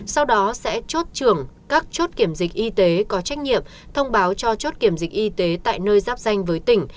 sau đó sẽ chốt trưởng các chốt kiểm dịch y tế có trách nhiệm thông báo cho chốt kiểm dịch y tế tại nơi giáp danh với tỉnh